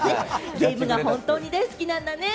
ゲームが本当に大好きなんだね。